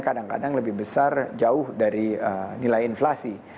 kadang kadang lebih besar jauh dari nilai inflasi